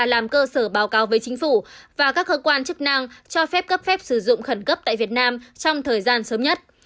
làm cơ sở báo cáo với chính phủ và các cơ quan chức năng cho phép cấp phép sử dụng khẩn cấp tại việt nam trong thời gian sớm nhất